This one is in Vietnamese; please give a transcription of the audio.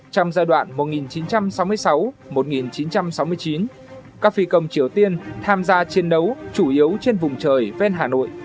trong giai đoạn một nghìn chín trăm sáu mươi sáu một nghìn chín trăm sáu mươi chín các phi công triều tiên tham gia chiến đấu chủ yếu trên vùng trời ven hà nội